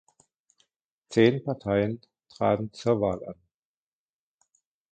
Zehn Parteien traten zur Wahl an.